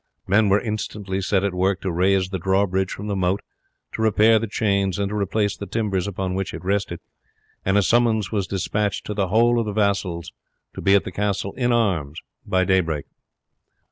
Men were instantly set at work to raise the drawbridge from the moat, to repair the chains, and to replace the timbers upon which it rested; and a summons was despatched to the whole of the vassals to be at the castle in arms by daybreak.